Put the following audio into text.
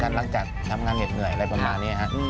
หลังจากทำงานเหน็ดเหนื่อยอะไรประมาณนี้ครับ